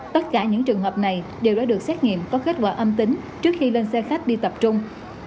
tất cả những trường hợp này đều đã được xét nghiệm có kết quả âm tính trước khi lên xe khách đi tập trung